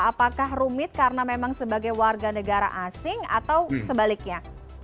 apakah rumit karena memang sebagai warga negara asing atau sebaliknya